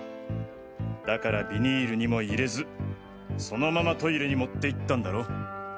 だからビニールにも入れずそのままトイレに持っていったんだろ？